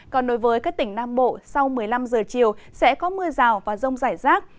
còn đối với các tỉnh nam bộ sau một mươi năm giờ chiều sẽ có mưa rào và rông rải rác